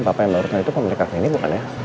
papa yang baru baru itu pemilik kafe ini bukan ya